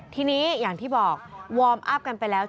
ทีนี้อย่างที่บอกวอร์มอัพกันไปแล้ว